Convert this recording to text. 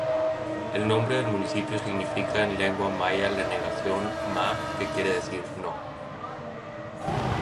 El nombre del municipio significa en lengua maya la negación: "ma" quiere decir "no".